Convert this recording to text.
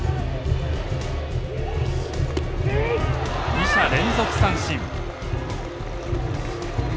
二者連続三振。